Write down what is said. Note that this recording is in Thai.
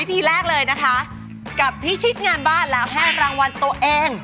ทีแรกเลยนะคะกับพิชิตงานบ้านแล้วให้รางวัลตัวเอง